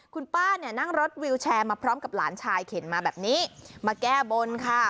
คุณป้าเนี่ยนั่งรถวิวแชร์มาพร้อมกับหลานชายเข็นมาแบบนี้มาแก้บนค่ะ